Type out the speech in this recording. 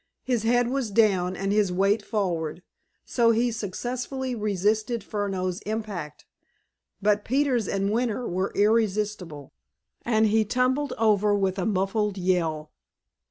His head was down, and his weight forward, so he successfully resisted Furneaux's impact, but Peters and Winter were irresistible, and he tumbled over with a muffled yell.